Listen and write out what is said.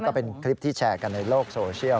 ก็เป็นคลิปที่แชร์กันในโลกโซเชียล